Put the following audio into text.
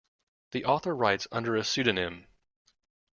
The author writes under a pseudonym.